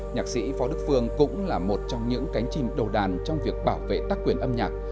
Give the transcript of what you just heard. nhạc sĩ phó đức phương cũng là một trong những cánh chim đầu đàn trong việc bảo vệ tác quyền âm nhạc